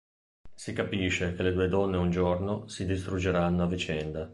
Si capisce che le due donne un giorno si distruggeranno a vicenda.